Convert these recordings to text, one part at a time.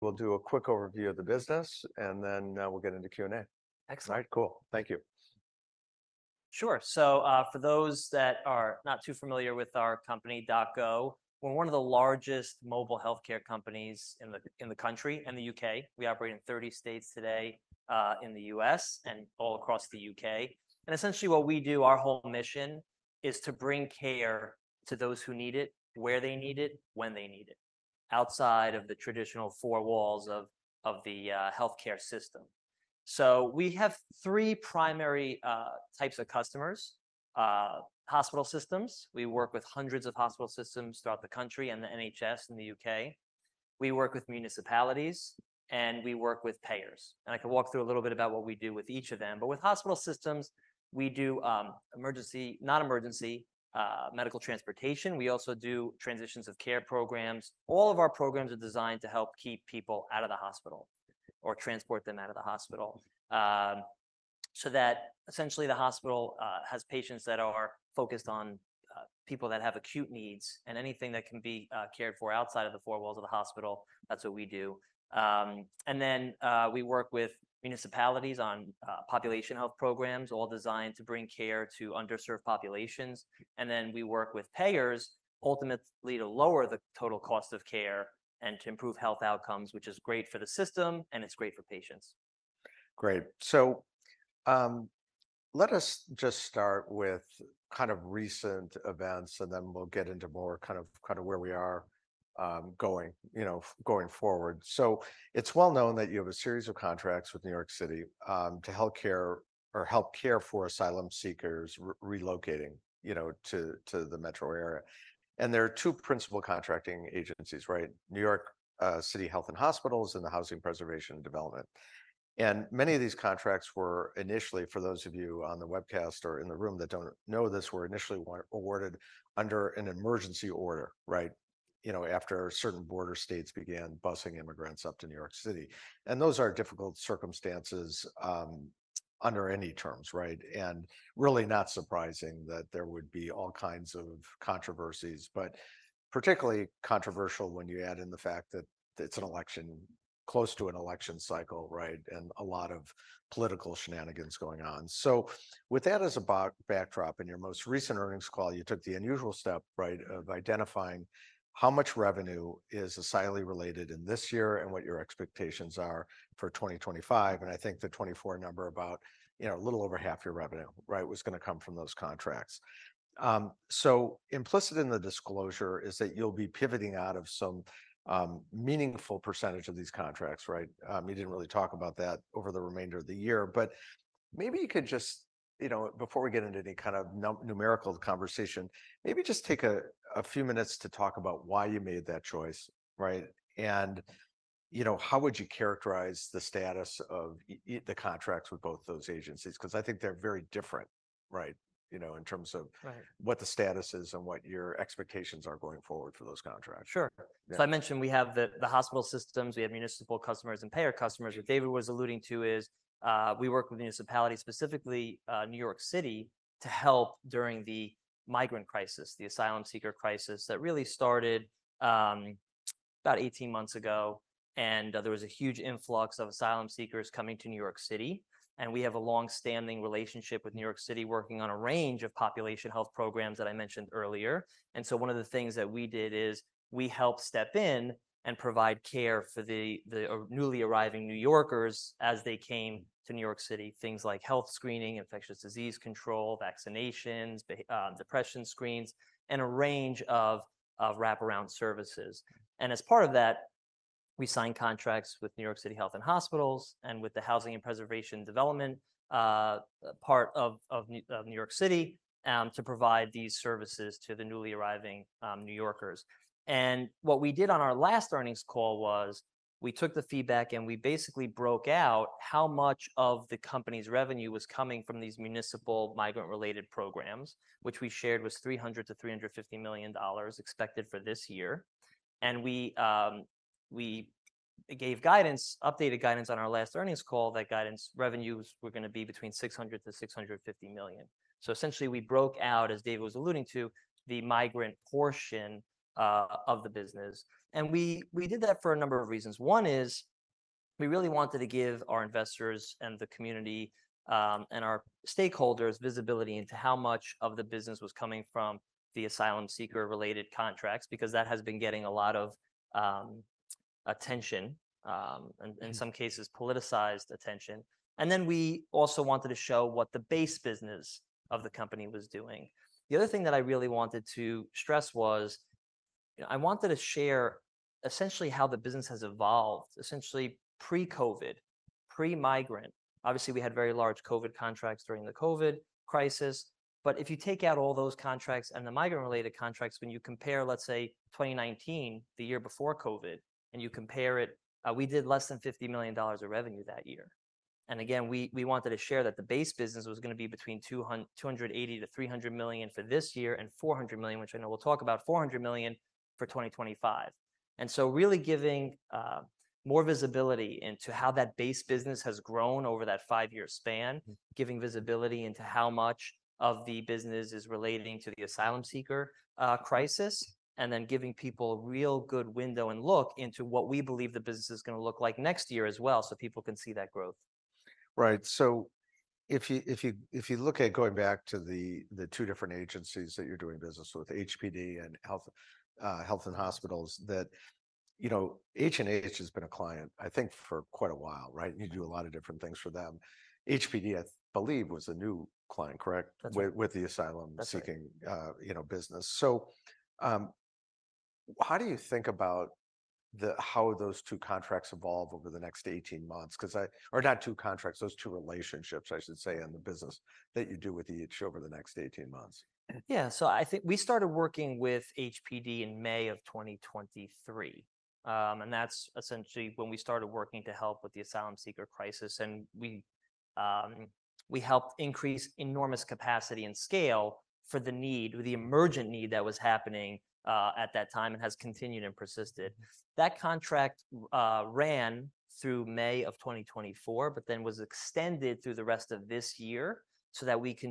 We'll do a quick overview of the business, and then, we'll get into Q&A. Excellent. All right, cool. Thank you. Sure. So, for those that are not too familiar with our company, DocGo, we're one of the largest mobile healthcare companies in the country and the U.K. We operate in 30 states today in the U.S. and all across the U.K. And essentially what we do, our whole mission, is to bring care to those who need it, where they need it, when they need it, outside of the traditional four walls of the healthcare system. So we have three primary types of customers: hospital systems. We work with hundreds of hospital systems throughout the country and the NHS in the U.K. We work with municipalities, and we work with payers. And I can walk through a little bit about what we do with each of them. But with hospital systems, we do emergency, non-emergency, medical transportation. We also do transitions of care programs. All of our programs are designed to help keep people out of the hospital or transport them out of the hospital. So that essentially the hospital has patients that are focused on people that have acute needs, and anything that can be cared for outside of the four walls of the hospital, that's what we do. And then we work with municipalities on population health programs, all designed to bring care to underserved populations. And then we work with payers ultimately to lower the total cost of care and to improve health outcomes, which is great for the system, and it's great for patients. Great. So, let us just start with kind of recent events, and then we'll get into more kind of where we are going, you know, going forward. So it's well known that you have a series of contracts with New York City to help care for asylum seekers relocating, you know, to the metro area. And there are two principal contracting agencies, right? New York City Health and Hospitals and the Housing Preservation and Development. And many of these contracts were initially, for those of you on the webcast or in the room that don't know this, awarded under an emergency order, right? You know, after certain border states began busing immigrants up to New York City. And those are difficult circumstances under any terms, right? Really not surprising that there would be all kinds of controversies, but particularly controversial when you add in the fact that it's an election, close to an election cycle, right, and a lot of political shenanigans going on. So with that as a backdrop, in your most recent earnings call, you took the unusual step, right, of identifying how much revenue is asylee related in this year and what your expectations are for 2025, and I think the 2024 number about, you know, a little over half your revenue, right, was gonna come from those contracts. So implicit in the disclosure is that you'll be pivoting out of some meaningful percentage of these contracts, right? You didn't really talk about that over the remainder of the year, but maybe you could just, you know, before we get into any kind of numerical conversation, maybe just take a few minutes to talk about why you made that choice, right? And, you know, how would you characterize the status of the contracts with both those agencies? 'Cause I think they're very different, right, you know, in terms of- Right What the status is and what your expectations are going forward for those contracts? Sure. Yeah. So I mentioned we have the hospital systems, we have municipal customers, and payer customers. What David was alluding to is, we work with municipalities, specifically, New York City, to help during the migrant crisis, the asylum seeker crisis, that really started about 18 months ago. There was a huge influx of asylum seekers coming to New York City, and we have a long-standing relationship with New York City, working on a range of population health programs that I mentioned earlier. And so one of the things that we did is we helped step in and provide care for the newly arriving New Yorkers as they came to New York City. Things like health screening, infectious disease control, vaccinations, depression screens, and a range of wraparound services. As part of that, we signed contracts with New York City Health and Hospitals and with the Housing Preservation and Development, part of New York City, to provide these services to the newly arriving New Yorkers. What we did on our last earnings call was, we took the feedback, and we basically broke out how much of the company's revenue was coming from these municipal migrant-related programs, which we shared was $300-$350 million expected for this year. And we gave guidance, updated guidance on our last earnings call. That guidance revenues were gonna be between $600-$650 million. So essentially we broke out, as David was alluding to, the migrant portion of the business, and we did that for a number of reasons. One is, we really wanted to give our investors and the community, and our stakeholders visibility into how much of the business was coming from the asylum seeker-related contracts, because that has been getting a lot of, attention, and- Mm In some cases, politicized attention. And then we also wanted to show what the base business of the company was doing. The other thing that I really wanted to stress was, I wanted to share essentially how the business has evolved, essentially pre-COVID, pre-migrant. Obviously, we had very large COVID contracts during the COVID crisis, but if you take out all those contracts and the migrant-related contracts, when you compare, let's say, 2019, the year before COVID, and you compare it, we did less than $50 million of revenue that year. And again, we wanted to share that the base business was gonna be between $280 million-$300 million for this year, and $400 million, which I know we'll talk about, $400 million for 2025. And so really giving more visibility into how that base business has grown over that five-year span- Mm Giving visibility into how much of the business is relating to the asylum seeker crisis, and then giving people a real good window and look into what we believe the business is gonna look like next year as well, so people can see that growth. Right, so if you look at going back to the two different agencies that you're doing business with, HPD and Health and Hospitals, that, you know, H and H has been a client, I think, for quite a while, right? And you do a lot of different things for them. HPD, I believe, was a new client, correct? That's right. With the asylum-seeking- That's right You know, business. So, how do you think about how those two contracts evolve over the next 18 months? 'Cause or not two contracts, those two relationships, I should say, and the business that you do with each over the next 18 months. Yeah, so I think we started working with HPD in May of 2023. And that's essentially when we started working to help with the asylum-seeker crisis, and we helped increase enormous capacity and scale for the need, the emergent need that was happening at that time, and has continued and persisted. That contract ran through May of 2024 but then was extended through the rest of this year so that we can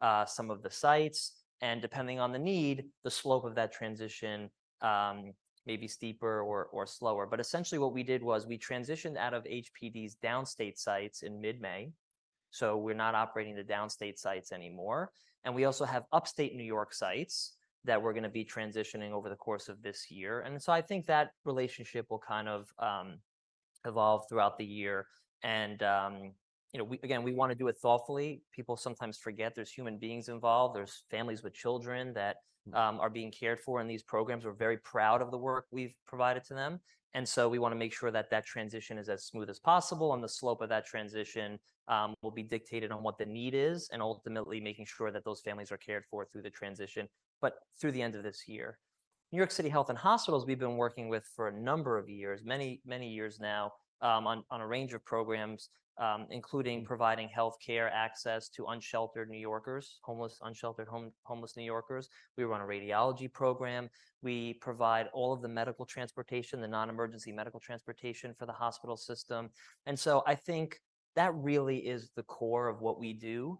transition some of the sites, and depending on the need, the slope of that transition may be steeper or slower. But essentially, what we did was we transitioned out of HPD's Downstate sites in mid-May, so we're not operating the Downstate sites anymore. We also have Upstate New York sites that we're gonna be transitioning over the course of this year. So I think that relationship will kind of evolve throughout the year. You know, we again, we wanna do it thoughtfully. People sometimes forget there's human beings involved, there's families with children that are being cared for in these programs. We're very proud of the work we've provided to them, and so we wanna make sure that that transition is as smooth as possible, and the slope of that transition will be dictated on what the need is and ultimately making sure that those families are cared for through the transition, but through the end of this year. New York City Health and Hospitals, we've been working with for a number of years, many, many years now, on a range of programs, including providing healthcare access to unsheltered New Yorkers, homeless unsheltered New Yorkers. We run a radiology program. We provide all of the medical transportation, the non-emergency medical transportation for the hospital system. And so I think that really is the core of what we do,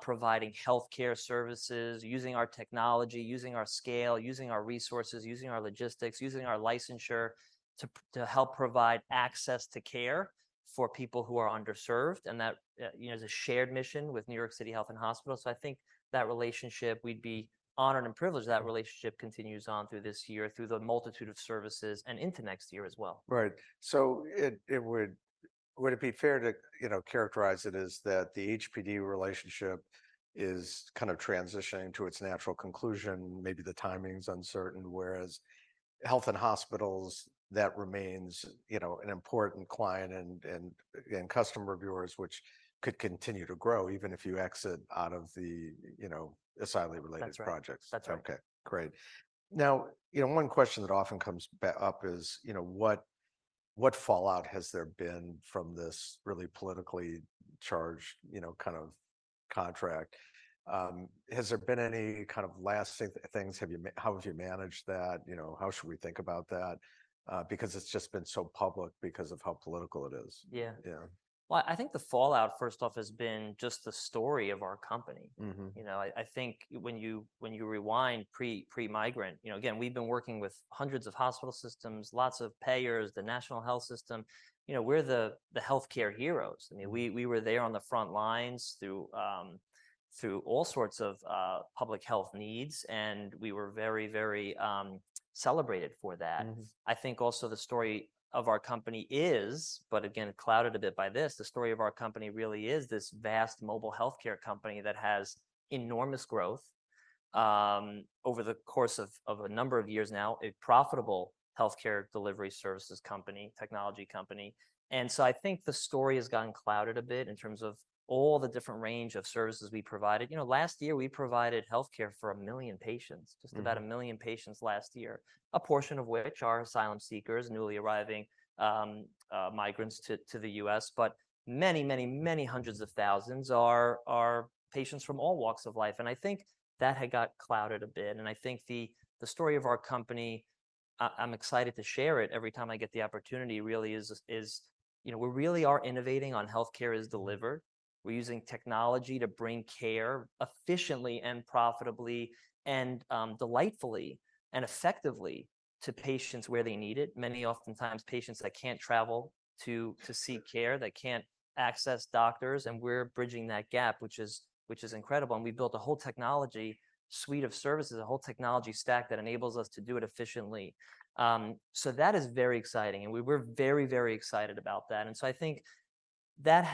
providing healthcare services, using our technology, using our scale, using our resources, using our logistics, using our licensure, to help provide access to care for people who are underserved. And that, you know, is a shared mission with New York City Health and Hospitals, so I think that relationship, we'd be honored and privileged that relationship continues on through this year, through the multitude of services and into next year as well. Right. So it would... Would it be fair to, you know, characterize it as that the HPD relationship is kind of transitioning to its natural conclusion, maybe the timing's uncertain, whereas Health and Hospitals, that remains, you know, an important client and, and, and customer of yours, which could continue to grow even if you exit out of the, you know, asylum-related projects? That's right. Okay, great. Now, you know, one question that often comes back up is, you know, what, what fallout has there been from this really politically charged, you know, kind of contract? Has there been any kind of lasting things, how have you managed that? You know, how should we think about that? Because it's just been so public because of how political it is. Yeah. Yeah. Well, I think the fallout, first off, has been just the story of our company. Mm-hmm. You know, I think when you rewind pre-migrant, you know, again, we've been working with hundreds of hospital systems, lots of payers, the national health system. You know, we're the healthcare heroes, and we were there on the front lines through all sorts of public health needs, and we were very, very celebrated for that. Mm-hmm. I think also the story of our company is, but again, clouded a bit by this, the story of our company really is this vast mobile healthcare company that has enormous growth over the course of a number of years now, a profitable healthcare delivery services company, technology company. And so I think the story has gotten clouded a bit in terms of all the different range of services we provided. You know, last year, we provided healthcare for 1 million patients- Mm Just about 1 million patients last year. A portion of which are asylum seekers, newly arriving, migrants to the U.S., but many, many, many hundreds of thousands are patients from all walks of life, and I think that had got clouded a bit. And I think the story of our company, I'm excited to share it every time I get the opportunity, really is, you know, we really are innovating on healthcare as delivered. We're using technology to bring care efficiently and profitably and delightfully and effectively to patients where they need it. Many oftentimes, patients that can't travel to seek care, they can't access doctors, and we're bridging that gap, which is incredible. And we built a whole technology suite of services, a whole technology stack that enables us to do it efficiently. So that is very exciting, and we were very, very excited about that. And so I think that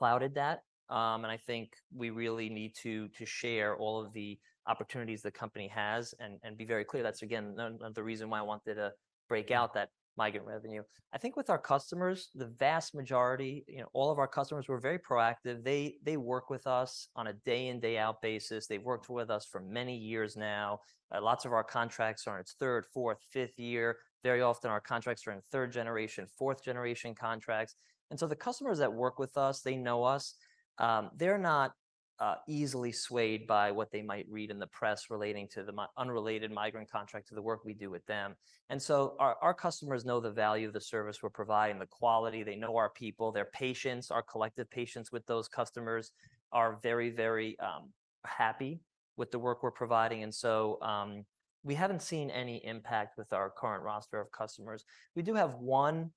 has clouded that, and I think we really need to share all of the opportunities the company has and be very clear. That's again the reason why I wanted to break out that migrant revenue. I think with our customers, the vast majority, you know, all of our customers were very proactive. They work with us on a day-in-day-out basis. They've worked with us for many years now. Lots of our contracts are on its third, fourth, fifth year. Very often, our contracts are in third-generation, fourth-generation contracts. And so the customers that work with us, they know us. They're not easily swayed by what they might read in the press relating to the unrelated migrant contract to the work we do with them. And so our customers know the value of the service we're providing, the quality. They know our people, their patients. Our collected patients with those customers are very, very happy with the work we're providing, and so we haven't seen any impact with our current roster of customers. We do have one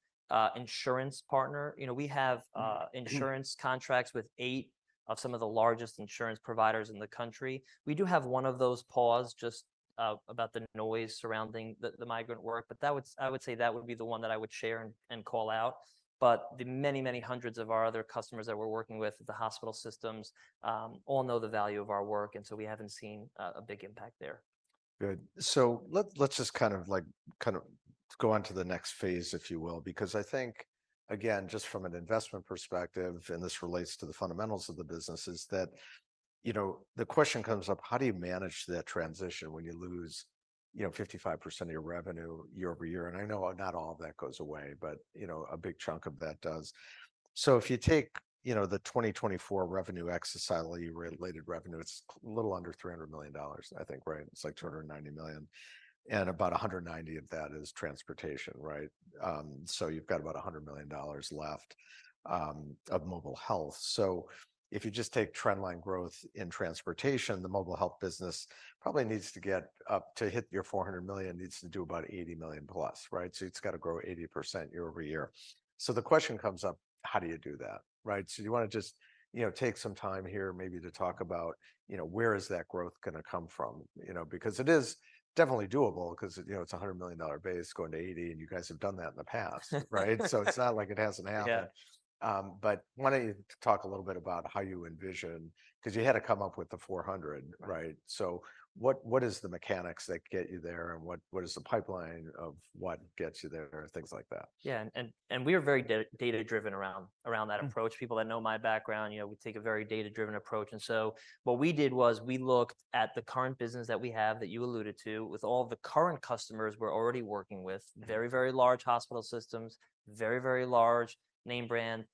insurance partner. You know, we have Mm. Mm Insurance contracts with eight of some of the largest insurance providers in the country. We do have one of those paused just about the noise surrounding the migrant work, but I would say that would be the one that I would share and call out. But the many, many hundreds of our other customers that we're working with, the hospital systems, all know the value of our work, and so we haven't seen a big impact there. Good. So let's, let's just kind of, like, kind of go on to the next phase, if you will. Because I think, again, just from an investment perspective, and this relates to the fundamentals of the business, is that, you know, the question comes up: how do you manage that transition when you lose, you know, 55% of your revenue year-over-year? And I know not all of that goes away, but, you know, a big chunk of that does. So if you take, you know, the 2024 revenue ex asylee-related revenue, it's a little under $300 million, I think, right? It's, like, $290 million, and about 190 of that is transportation, right? So you've got about $100 million left, of mobile health. So if you just take trend line growth in transportation, the mobile health business probably needs to get up to hit your $400 million, needs to do about $80 million plus, right? So it's got to grow 80% year-over-year. So the question comes up: how do you do that, right? So do you wanna just, you know, take some time here maybe to talk about, you know, where is that growth gonna come from? You know, because it is definitely doable 'cause, you know, it's a $100 million base going to $80 million, and you guys have done that in the past, right? So it's not like it hasn't happened. Yeah. But why don't you talk a little bit about how you envision... 'Cause you had to come up with the 400, right? Right. What, what is the mechanics that get you there, and what, what is the pipeline of what gets you there, things like that? Yeah, and we are very data-driven around that approach. People that know my background, you know, we take a very data-driven approach. And so what we did was we looked at the current business that we have, that you alluded to, with all the current customers we're already working with, very, very large hospital systems, very, very large name brand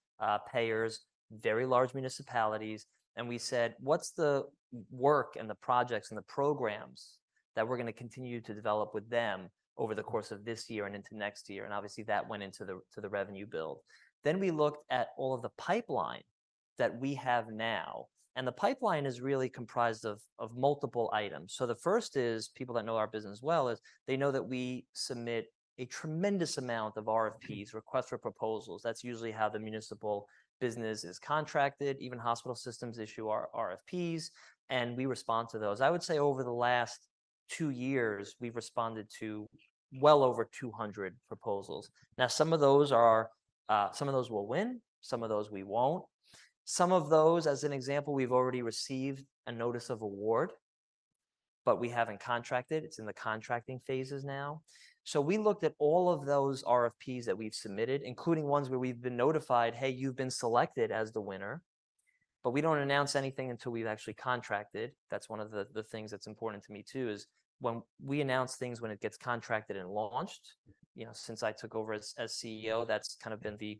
payers, very large municipalities, and we said, "What's the work and the projects and the programs that we're gonna continue to develop with them over the course of this year and into next year?" And obviously, that went into the revenue build. Then we looked at all of the pipeline that we have now, and the pipeline is really comprised of multiple items. So the first is, people that know our business well, is they know that we submit a tremendous amount of RFPs, request for proposals. That's usually how the municipal business is contracted. Even hospital systems issue RFPs, and we respond to those. I would say over the last two years, we've responded to well over 200 proposals. Now, some of those are, some of those we'll win, some of those we won't. Some of those, as an example, we've already received a notice of award, but we haven't contracted. It's in the contracting phases now. So we looked at all of those RFPs that we've submitted, including ones where we've been notified, "Hey, you've been selected as the winner," but we don't announce anything until we've actually contracted. That's one of the things that's important to me, too, is when we announce things when it gets contracted and launched. You know, since I took over as CEO, that's kind of been the...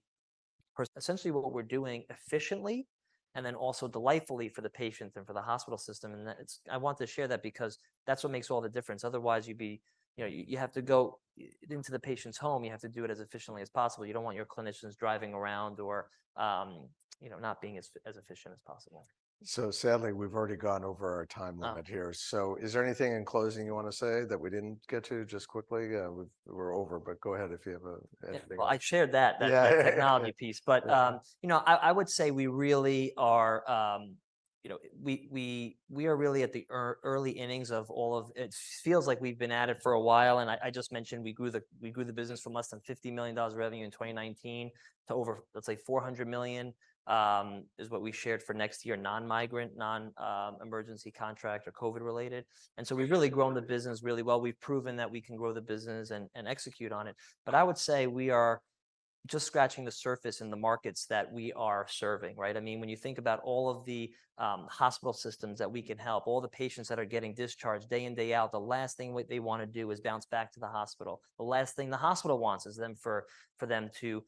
Essentially what we're doing efficiently and then also delightfully for the patients and for the hospital system, and that it's, I want to share that because that's what makes all the difference. Otherwise, you'd be... You know, you have to go into the patient's home, you have to do it as efficiently as possible. You don't want your clinicians driving around or, you know, not being as efficient as possible. Sadly, we've already gone over our time limit here. Oh. So is there anything in closing you want to say that we didn't get to, just quickly? We're over, but go ahead if you have anything. Well, I shared that- Yeah. That technology piece. But, you know, I would say we really are, you know, we are really at the early innings of all of... It feels like we've been at it for a while, and I just mentioned we grew the business from less than $50 million revenue in 2019 to over, let's say, $400 million, is what we shared for next year, non-migrant, non-emergency contract or COVID related. And so we've really grown the business really well. We've proven that we can grow the business and execute on it. But I would say we are just scratching the surface in the markets that we are serving, right? I mean, when you think about all of the hospital systems that we can help, all the patients that are getting discharged day in, day out, the last thing they want to do is bounce back to the hospital. The last thing the hospital wants is for them to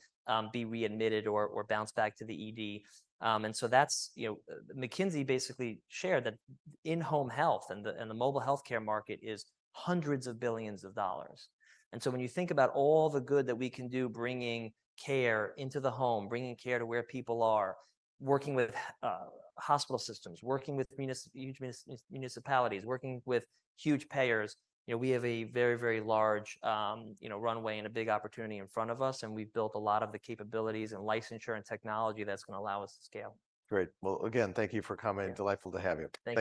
be readmitted or bounce back to the ED. And so that's, you know, McKinsey basically shared that in-home health and the mobile healthcare market is $ hundreds of billions. When you think about all the good that we can do, bringing care into the home, bringing care to where people are, working with hospital systems, working with huge municipalities, working with huge payers, you know, we have a very, very large, you know, runway and a big opportunity in front of us, and we've built a lot of the capabilities and licensure and technology that's gonna allow us to scale. Great. Well, again, thank you for coming. Yeah. Delightful to have you.